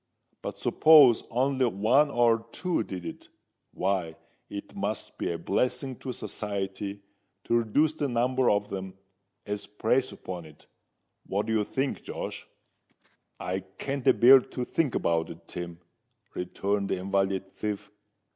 But suppose only one or two did it—why, it must be a blessin' to society to reduce the number of them as preys upon it. What do you think, Josh?" "I can't a bear to think about it, Tim," returned the invalid thief.